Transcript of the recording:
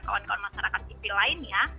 kawan kawan masyarakat sipil lainnya